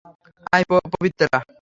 আয়, পবিত্রা।